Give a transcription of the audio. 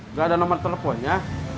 enggak ada nomor teleponnya